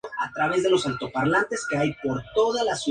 Sus restos descansan en el Cementerio de Pilar.